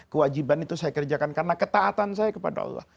kewajiban itu saya kerjakan karena ketaatan saya kepada allah